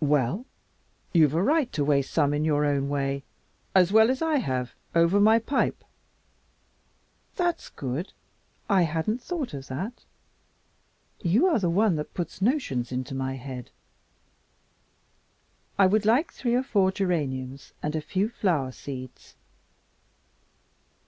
"Well, you've a right to waste some in your way as well as I have over my pipe." "That's good. I hadn't thought of that. You are the one that puts notions into my head. I would like three or four geraniums and a few flower seeds."